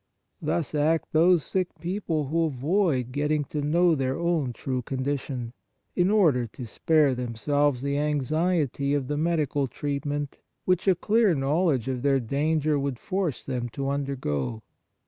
Thus act those sick people who avoid getting to know their own true con dition, in order to spare themselves the anxiety of the medical treatment which a clear knowledge of their danger would force them to undergo.